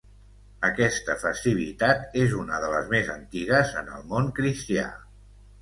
Aquesta festivitat és una de les més antigues en el món cristià.